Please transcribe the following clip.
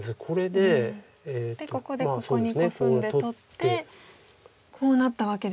でここでここにコスんで取ってこうなったわけですもんね。